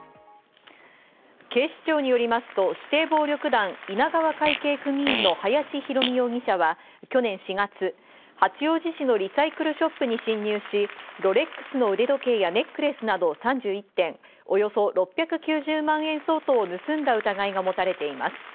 警視庁によりますと指定暴力団・稲川会系組員の林弘美容疑者は、去年４月、八王子市のリサイクルショップに侵入し、ロレックスの腕時計やネックレスなど３１点、およそ６９０万円相当を盗んだ疑いが持たれています。